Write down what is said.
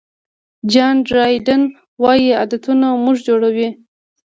جان ډرایډن وایي عادتونه موږ جوړوي.